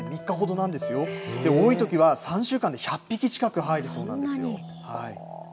多いときは３週間で１００匹近く入るほどなんです。